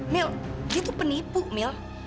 mil dia itu penipu mil